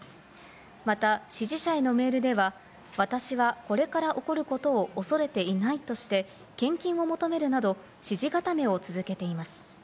また支持者へのメールでは私はこれから起こることを恐れていないとして、献金を求めるなど支持固めを続けています。